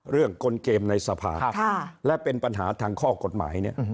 เรื่องก้นเกมในสภาพและเป็นปัญหาทางข้อกฎหมายเนี้ย